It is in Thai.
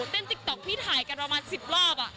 เต้นติ๊กต๊อกพี่ถ่ายกันประมาณสิบรอบอะ